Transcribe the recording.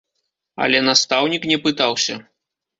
Але настаўнік не пытаўся.